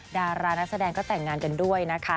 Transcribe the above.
ดารานักแสดงก็แต่งงานกันด้วยนะคะ